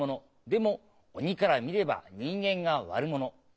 でも鬼から見れば人間が悪者。